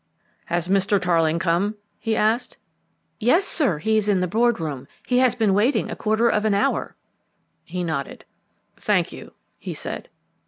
"Has Mr. Tarling come?" he asked. "Yes, sir, he's in the board room. He has been waiting a quarter of an hour." He nodded. "Thank you," he said.